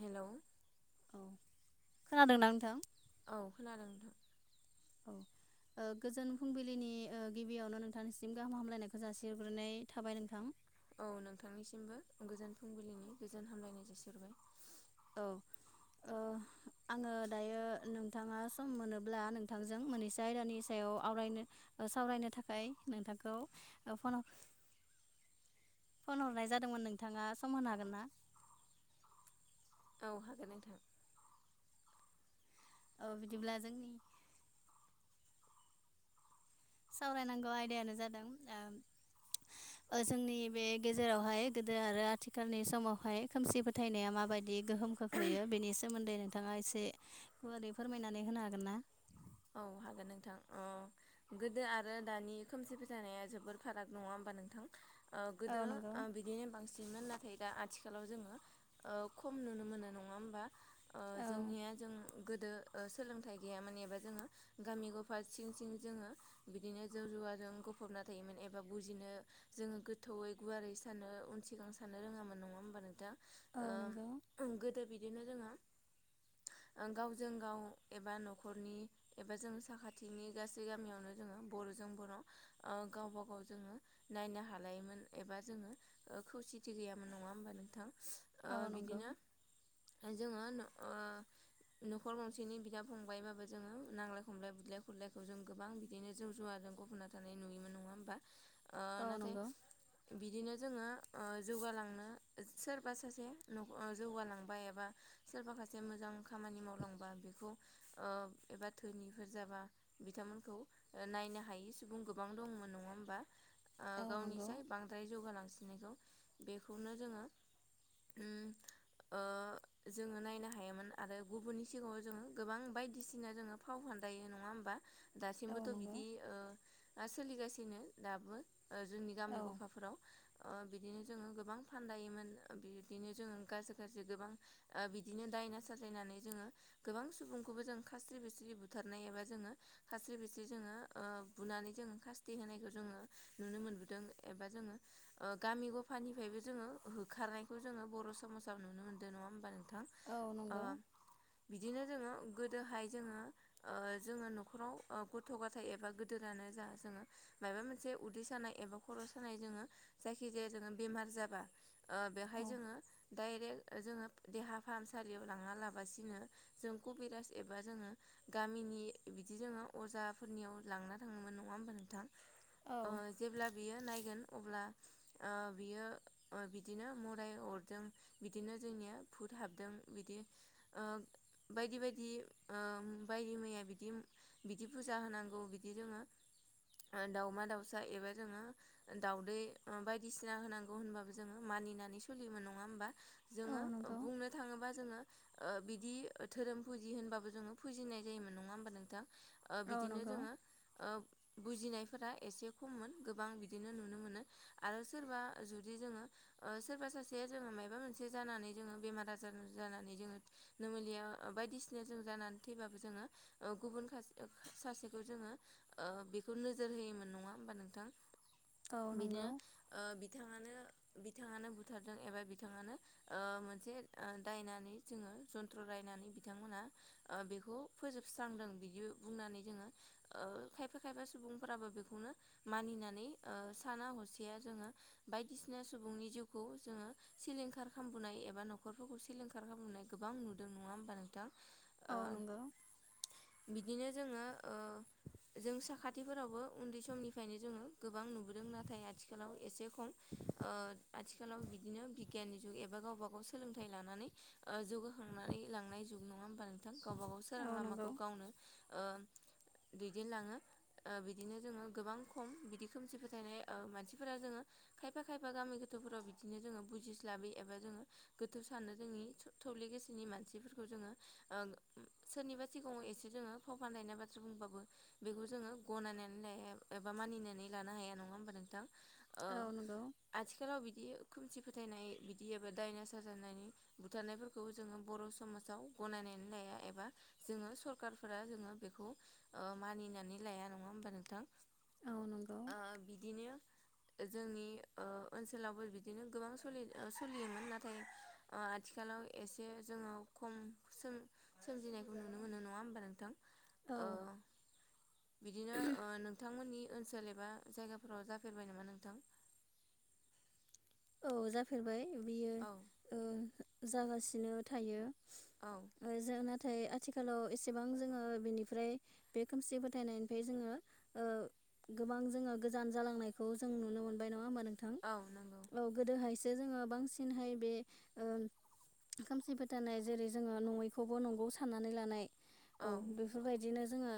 Hello औ खोनादोंना नोंथां? औ खोनादों नोंथां औ गोजोन फुंबिलिनि गिबियावनो नोंथांनिसिम गाहाम हामलायनायखौ जासिग्रोनाय थाबाय नोंथां औ नोंथांनिसिमबो गोजोन फुंबिलिनि गोजोन हामलायनाय जासिहरबाय औ ओ आङो दायो नोंथाङा सम मोनोब्ला नोंथांजों मोननैसे आयदानि सायाव आवरायनो सावरायनो थाखाय नोंथांखौ फन फन हरनाय जादोंमोन नोंथाङा सम होनो हागोन ना? औ हागोन नोंथां बिदिब्ला जोंनि सावरायनांगौ आयदायानो जादों जोंनि बे गेजेरावहाय गोदो आरो आथिखालनि समावहाय खोमसि फोथायनाया माबायदि बिदि गोहोम खोख्लैयो बेनि सोमोन्दै नोंथाङा एसे गुवारै फोरमायनानै होनो हागोन ना औ हागोन नोंथां अ गोदो आरो दानि खोमसि फोथायनाया जोबोर फाराग नङा होनबा नोंथां ओ औ गोदो नंगौ बिदिनो बांसिनमोन नाथाय दा आथिखालाव आथिखालाव जोङो ओ खम नुनो मोनो नङा होमबा औ जोंनिया जों गोदो ओ सोलोंथाइ गैयामोन एबा जोङो गामि गफा सिं सिं जोङो बिदिनो जौ जुवाजों गफबना थायोमोन एबा बुजिनो जोङो गोथौयै गुवारै सानो उन सिगां सानो रोङामोन नङा होमबा नोंथां दा औ नंगौ बिदिनो जोङो गावजों गाव एबा नखरनि एबा जों साखाथिनि गासै गामियावनो जोङो बरजों बर गावबा गाव जोङो नायनो हालायोमोन एबा जोङो खौसेथि गैयामोन नङा होमबा नोंथां ओ औ नंगौ बिदिनो जोङो नखर ओ गंसेनि बिदा फंबायबाबो जोङो नांलाय खमलाय बिदलाय खुरलायखौ जों गोबां बिदिनो जौ जुवाजों गबना थानाय नुयोमोन नङा होमबा ओ औ नाथाय नंगौ बिदिनो जोङो ओ जौगालांनो सोरबा सासे जौगालांबाय एबा सोरबाखासे मोजां खामानि मावलांबाय बेखौ एबा धोनिफोर जाबा बिथांमोनखौ नायनो हायि सुबुं गोबां दंमोन नङा होमबा औ नंगौ गावनिसाय बांद्राय जौगालांसिननायखौ बेखौनो जोङो उम [inaudible] ओ जोङो नायनो हायोमोन आरो गुबुननि सिगाङाव जोङो गोबां बायदिसिना बिदिनो जोङो फाव फान्दायो नङा होमबा औ दासिमबोथ' नंगौ बिदि सोलिगासिनो दाबो जोंनि औ गामि गफाफोराव ओ बिदिनो जोङो गोबां फानदायोमोन बिदिनो जोङो गाज्रि गाज्रि गोबां बिदिनो दायना साजायनानै जोङो गोबां सुबुंखौबो जों खास्रि बिस्रि बुथारनाय एबा जोङो खास्रि बिस्रि जोङो ओ बुनानै जोङो खासथि होनायखौ जों ज नुनो मोनबोदों एबा जोङो ओ गामि गफानिफ्रायबो जोङो होखारनायखौ जोङो बर समाजाव नुनो मोनदों नङा हबा नोंथां औ ओ नंगौ बिदिनो जोङो दोहाय जोङो जोङो नखराव गथ गथाय एबा गदोरानो जा जोङो माबा मोनसे उदै सानाय एबा खर सानाय जोङो जायखिजाया जोङो बेमार जाबा ओ बेवहाय औ जोङो डाइरेक्ट जोङो देहा फाहामसालियाव लाङा लाबासिनो जों कभिराज एबा जोङो गामिनि बिदि जोङो अजाफोरनियाव लांना थाङोमोन नङा होमबा नोंथां औ ओ जेब्ला बियो नायगोन अब्ला ओ बियो बिदिनो मोदाय अरदों बिदिनो जोंनिया भुट हाबदों बिदि ओ बायदि बायदि ओ बायदि मैया बिदि बिदि फुजा होनांगौ बिदि जोङो ओ दाउमा दाउसा एबा जोङो दाउदै बायदिसिना होनांगौ होनबाबो जोङो माइ मानिनानै सोलियोमोन नङा होमबा औ जोङो नंगौ बुंनो थाङोबा जोङो ओ बिदि धोरोम फुजि होनबो जोङो फुजिनाय जायोमोन नङा होमबा नोंथां औ बिदिनो नंगौ जोङो बुजिनायफोरा एसे खममोन गोबां बिदिनो नुनो मोनो आरो सोरबा जुदि जोङो ओ सोरबा सासेया जोङो मायाबा मोनसे जानानै जोङो बेमार आजार जानानै जोङो नुमुलिया बायदिसिना जों जानानै थैबाबो जो गुबुन सासेखौ जोङो बेखौ नो नङा होनबा नोंथां औ नंगौ बिदिनो बिथां [inaudible] बिथाङानो बुथारदों एबा बिथाङानो मोनसे दायनानै जोङो जन्त्र राय नायनानै बिथांमोना आ बेखौ फोजोबस्रांदों बिदि बुंनानै जोङो ओ खायफा खायफा सुबुंफोराबो बेखौनो मानिनानै आ साना हसेया जोङो बायदिसिना सुबुंनि जिउखौ जो ङो सिलिंखार खालामबोनाय एबा न'खरफोरखौ सिलिंखार खालामबोनाय गोबां नुदों नङा होमबा नोंथां? औ ओ नंगौ बिदिनो जोङो ओ जों साखाथिफोरावबो उनदै समनिफ्रायनो जोङो गोबां नुबोदों नाथाय आथिखालाव एसे ओ आथिखालाव बिदिनो बिगियाननि जुग एबा गावब गाव सोलोंथायाइ लानानै ओ जौगाखांनानै लांनाय जुग नङा होमबा नोंथां गावबा गाव सोरां औ नंगौ लामाखौ गावनो ओ दैदेनलाङो आ बिदिनो जोङो गोबां खम बिदि खोमसि फोथायनाय ओ मानसिफोरा जोङो खायफा खायफा गामि गोथौफोराव बिदिनो जोङो बुजिस्लाबै एबा जोङो गोथौ सानो जोंनि थौले गोसोनि मानसिफोरखौ खौ जोङो सोरनिबा सिगाङाव एसे जोङो फाव फानलायनाय बाथ्रा बुंबाबो बेखौ जोङो गनायनानै लाया एबा मानिनानै लानो हाया नङा होमबा नोंथां ओ औ नंगौ आथिखालाव बिदि खोमसि फोथायनाय बिदि एबा डाइना साजायनानै बुथारनायफोरखौ जोङो बर' समाजाव गनायनानै लाया एबा जोङो सरखारफोरा जोङो बेखौ ओ मानिनानै लाया नङा होमबा नोंथां औ नंगौ आ बिदिनो जोंनि ओ ओनसोलावबो बिदिनो गोबां सोलियोमोन नाथाय आथिखाल लाव एसे जोङो खम सोम सोमजिनायखौ नुनो मोनो नङा होमबा नोंथां औ ओ बिदिनो नोंथांमोननि ओनसोल एबा जायगाफोराव जाफेरबाय नामा नोंथां औ जाफेरबाय बियो औ ओ जागासिनो थायो औ ओ जोंना नाथाय आथिखालाव एसेबां जोङो बिनिफ्राय बे खोमसि फोथायनायनिफ्राय जोङो ओ गोबां जोङो गोजान जालांनायखौ जों नुनो मोनबाय नङा होमबा नोंथां औ नगौ औ गोदोहायसो जोङो बांसिनहाय बे ओ खोमसि फोथनाय जेरै जोङो नङैखौबो नंगौ साननानै लानाय औ बेफोरबायदिनो जोङो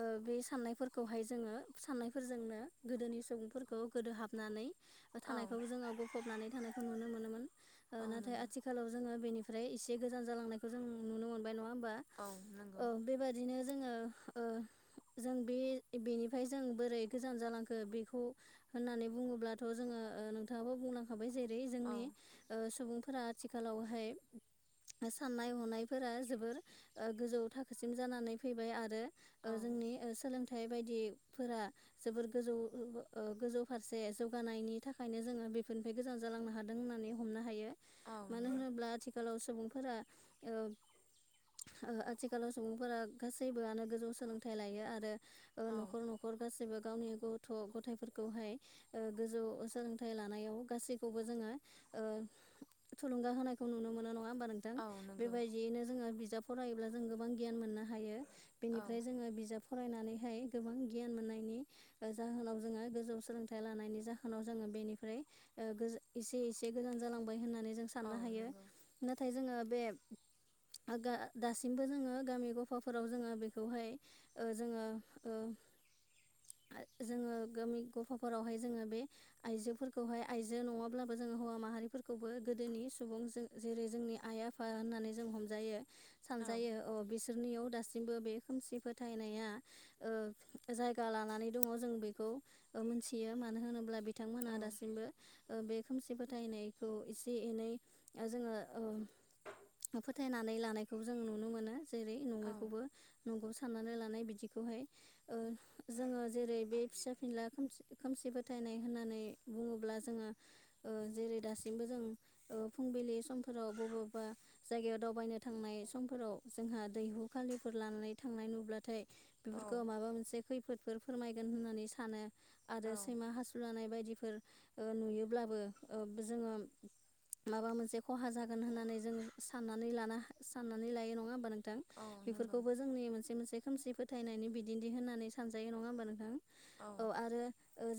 ओ बे साननायफोरखौहाय जोङो साननायफोरजोंनो गोदोनि सुबुंफोरखौ गोदोहाब बनानै औ थानायखौ जोङो गफबनानै थानायखौ नुनो मोनोमोन ओ औ नाथाय नंगौ आथिखालाव जोङो बेनि निफ्राय एसे गोजान जालांनायखौ जों नुनो मोन नङा होनबा औ नंगौ ओ बेबदिनो जोङो ओ जों बे बेनिफ्राय जों बोरै गोजान जालांखो बेखौ होननानै बुङोब्लाथ' जोङो ओ नोंथाङाबो बुंलांखाबाय जेरै औ जोंनि सुबुंफोरा आथिखालावहाय साननाय हनायफोरा जोबोर ओ गोजौ थाखोसिम जानानै फैबाय आरो औ जोंनि सोलोंथाइ थाइ बायदिफोरा जोबोर गोजौ गोजौ फारसे जौगानायनि थाखायनो जोङो बे निफ्राय गोजान जालांनो हादों होननानै हमनो हायो औ मानो नंगौ होनोब्ला आथिखालाव सुबुंफोरा ओ ओ आथिखालाव सुबुंफोरा गासैबोआनो गोजौ सोलोंथाइ लायो आरो औ न'खर न'खर गासैबो गावनि गथ' गथायाइफोरखौहाय ओ गोजौ सोलोंथाइ लानायाव गासैखौबो जोङो ओ थुलुंगा होनायखौ नुनो मोनो नङा होनबा नोंथां औ नंगौ बेबायदियैनो जोङो बिजाब फरायोब्ला जों गोबां गियान मोननो हायो औ बेनिफ्राय जोङो बिजाब फरायनानैहाय गोबां गियान मोननायनि जाहोनाव जोङो गोजौ सोलोंथाइ लानायनि जाहोनाव जोङो बेनिफ्राय ओ एसे एसे गोजान जालांबाय होननानै जों औ साननो हायो नंगौ नाथाय जोङो बे [inaudible] दासिमबो जोङो गामि गफाफोराव जोङो बेखौहाय जोङो जोङो गामि गफाफोरावहाय जोङो बे आइजोफोरखौहाय आइजो नङाब्लाबो जोङो हौवा माहारिफोरखौबो गोदोनि सुबुं जों जेरै जोंनि आइ आफा होननानै जों हमजायो औ सानजयो बिसोरनियाव दासिमबो बे खोमसि फोथायनाया जायगा लानानै दङ जों बेखौ मानो होनोबा बिथांमोनहा दासिमबो बे खोमसि फोथायनायखौ एसे एनै जोङो ओ फो थायनानै लानायखौ जों नुनो मोनो जेरै औ नङैखौबो न'ग साननानै लानाय बिदिखौहाय जोङो जेरै बे फिसा फिनला खोम खोमसि फोथायनाय होननानै बुङोब्ला जो जेरै दासिमबो जों फुंबिलि समफोराव बबा जायगायाव दावबायायनो थांनाय समफोराव जोंहा दैहु खालिफोर लानानै थांनाय नुब्लाथाय औ बेफोरखौ माबा मोनसे खैफोदफोर फोरमायगोन होननानै सानो आरो सैमा हासुलानाय बायदि नुयोब्लाबो जोङो माबा मोनसे खहा जागोन होननानै जों साननानै लान साननानै लायो नङा होमबा नों थां औ नंगौ बेफोरखौबो जोंनि मोनसे मोनसे खोमसि फोथायनायनि बिदिन्थि होननानै सानजायो नङा होमबा नोंथां। औ आरो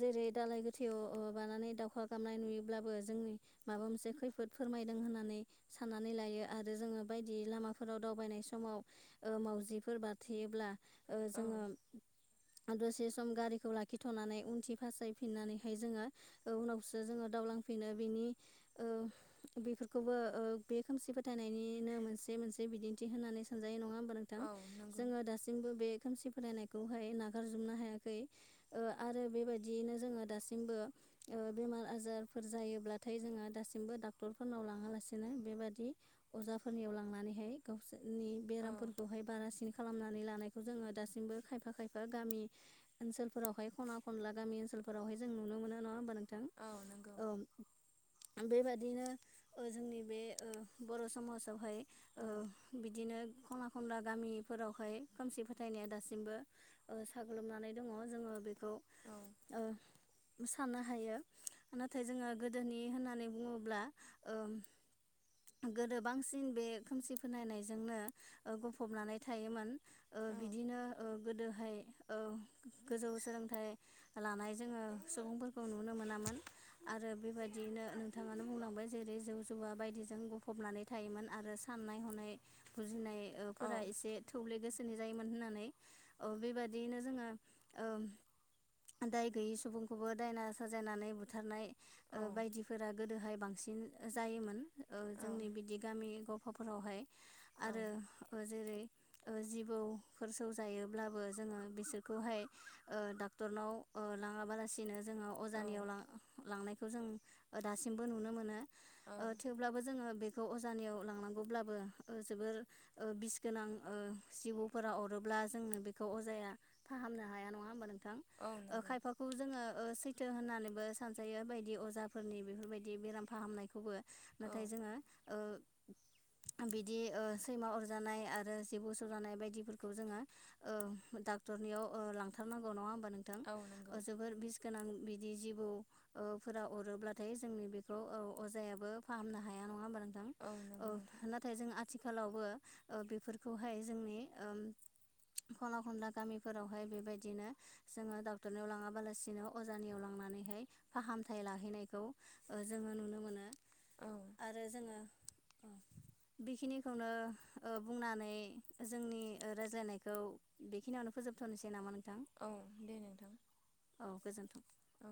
जेरै दाालाय गोथैयाव बानानै दावउखा गामनाय नुयोब्लाबो जोंनि माबा मोनसे खैफोद फोरमायदों होननानै साननानै लायो। आरो जोङो बायदि लामाफोराव दावबायनाय समाव मावजिफोर बाराथेयोब्ला ओ औ जोङो दसे सम गारिखौ लाखिथ'नानै उनथि फासायफिननानैहाय जोङो उनावसो जोङो दावउलांफैनो बेनि बेफोरखौबो बे खोमसि फोथायनायनिनो मोनसे मोनसे बिदिन्थि होननानै सानजायो नङा होमबा नोंथां औ नंगौ जोङो दासिमबो बे खोमसि फरायनायखौहाय नागारजोबनो हायाखै आरो बेबायदियैनो जोङो दासिमबो ओ बेमार आजारफोर जायोब्लाथाय जोङो दासिमबो डाक्टरफोरनाव लाङालासिनो बेबादि फुजाफोरनियाव लांनानैहाय गावसोरनि औ बेरामफोरखौहाय बारासिन खालामनानै लानायखौ जोङो दासिमबो खायफा खायफा गामि ओनसोलफोरावहाय खना खनला गामि ओन स्कुलफोरावहाय जों नुनो मोनो नङा होमबा नोंथां। औ नंगौ बेबादिनो जोंनि बे बर' समाजावहाय औ बिदिनो खनना खनला गामिफोरावहाय खोमसि फोथायनाया दासिमबो साग्लोबनानै दङ जोङो बेखौ औ साननो हायो नाथाय जोङो गोदोनि होननानै बुङोब्ला ओ गोदो बांसिन बे खोमसि फोननायनायजोंनो गफबनानै थायोमोन ओ औ औ बिदिनो ओ गोदोहाय ओ गोजौ सोलोंथाइ लानाय जोङो सुबुंफोरखौ नुनो मोनामोन आरो बेबायदियैनो नोंथाङानो बुंलांबाय जेरै जौ जुवा बायदिजों बुंफबनानै थायोमोन आरो साननाय हनाय बुजिनाय फोर एसे थौले गोसो नि जायोमोन होननानै बेबायादियैनो जोङो ओ दाय गोयै सुबुं खौबो दायना साजायनानै बुथारनाय औ औ बायदिफोरा गोदोहाय बांसिन जायोमोन जोंनि बिदि गामि गफाफोरावहाय आरो जेरै जिबौफोर सौजायोब्लाबो जोङो बिसोरखौहाय डक्टरनाव लाङा बालासिनो जोङो नंगौ अजानियावां लांनायखौ जों दासिमबो नुनो मोनो थेवब्लाबो जोङो बे खौ अजानियाव लांनांगौब्लाबो ओ जोबोर ओ बिस गोनां ओ जिबौफोरा अरोब्ला दा जोंनो बेखौ अजाया फाहामनो हाया नङा होमबा नोंथां ओ औ खायफाखौ जोङो ओ सैथो होननानैबो सानजायो बायदि अजाफोरनि बेफोर बायदि बेराम फाहामनायखौबो नाथाय जोङो ओ बिदि ओ सैमा अरजानाय आरो जिबौ सौजानाय बायदिफोरखौ जोङो ओ डाट रनियाव ओ लांथारनांगौ नङा होमबा नोंथां औ ओ नंगौ जोबोर बिस गोनां बिदि जिबौ ओ फोरा अरोब्लाथाय जोंनि बेखौ औ अजायाबो फाहामनो हाया नङा होमबा नों थां औ नंगौ नोंथां नाथाय जों आथिखालावबो ओ बेफोरखौहाय जोंनि ओम खना खनला गामिफोरावहाय बेबायदिनो जोङो डक्टरनाव लाङाबालासिनो अजानियाव लांनानैहाय फाहामथाय लाहैनायखौ जोङो ओ नुनो मोनो। औ आरो जोङो बेखिनिखौनो ओ बुंनानै जोंनि रायज्लायनायखौ बेखिनियावनो फो फोजोबथारनोसै नामा नों औ दे नोंथां गोजोन्थों। औ।